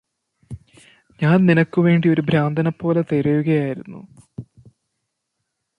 ഞാന് നിനക്കുവേണ്ടി ഒരു ഭ്രാന്തനെപോലെ തെരയുകയായിരുന്നു